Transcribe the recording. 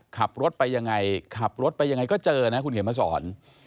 ขับรถไปยังไงขับรถไปยังไงก็เจอนะคุณเขียนมาสอน